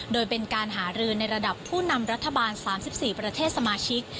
โดยเป็นการหารือในระดับผู้นำรัฐบาล๓๔ประเทศสมาชิก